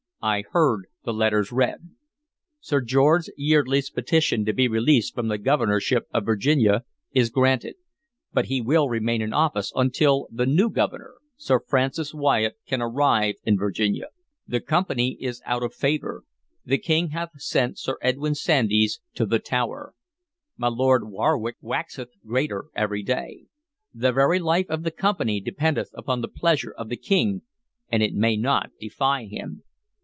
I heard the letters read. Sir George Yeardley's petition to be released from the governorship of Virginia is granted, but he will remain in office until the new Governor, Sir Francis Wyatt, can arrive in Virginia. The Company is out of favor. The King hath sent Sir Edwyn Sandys to the Tower. My Lord Warwick waxeth greater every day. The very life of the Company dependeth upon the pleasure of the King, and it may not defy him.